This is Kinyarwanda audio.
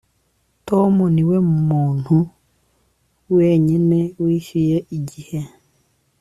Tom niwe muntu wenyine wishyuye igihe